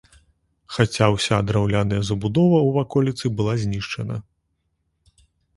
Хаця ўся драўляная забудова ў ваколіцы была знішчана.